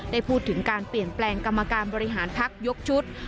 ได้พูดถึงการเปลี่ยนแปลงกรรมการบริหารพักยกชุด